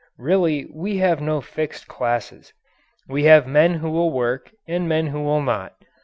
Really we have no fixed classes. We have men who will work and men who will not.